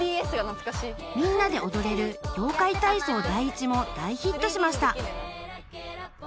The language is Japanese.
［みんなで踊れる『ようかい体操第一』も大ヒットしました］